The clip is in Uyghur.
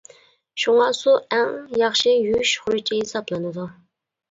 شۇڭا، سۇ ئەڭ ياخشى «يۇيۇش خۇرۇچى» ھېسابلىنىدۇ.